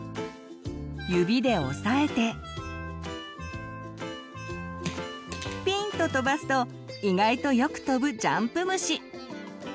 指で押さえてピンと跳ばすと意外とよく跳ぶジャンプ虫！